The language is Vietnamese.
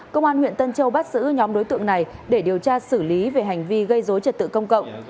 công an huyện tân châu bắt giữ nhóm đối tượng này để điều tra xử lý về hành vi gây dối trật tự công cộng